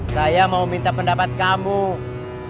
saya mau ketemu kang mus dulu